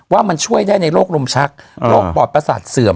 ว่ามันช่วยได้ในโรคลมชักโรคปอดประสาทเสื่อม